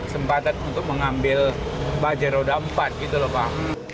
sempatan untuk mengambil bajai roda empat gitu loh pak